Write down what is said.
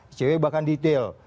icw bahkan detail